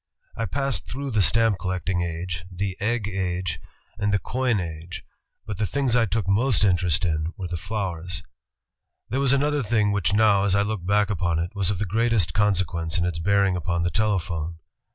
I passed through the stamp collecting age, the egg age, and the coin age, but the things I took most interest in were the flowers. *' There was another thing which now, as I look back upon it, was of the greatest consequence in its bearing upon the telephone.